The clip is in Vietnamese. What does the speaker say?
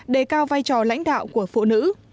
đề cao vai trò lãnh đạo của phụ nữ